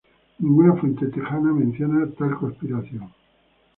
Ninguna fuente texana menciona tal conspiración.